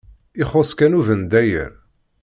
Ixuṣṣ kan ubendayer.